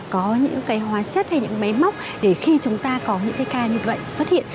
có những cái hóa chất hay những máy móc để khi chúng ta có những cái ca như vậy xuất hiện